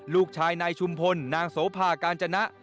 ลูกชายนายชุมพลนางโสภากาญจนะ